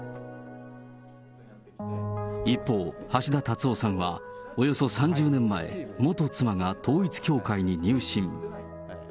一方、橋田達夫さんは、およそ３０年前、元妻が統一教会に入信。